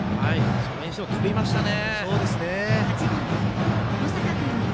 それにしても飛びましたね。